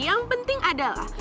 yang penting adalah